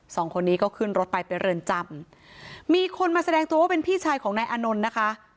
สองคนนี้ก็ขึ้นรถไปไปเรือนจำมีคนมาแสดงตัวว่าเป็นพี่ชายของนายอานนท์นะคะ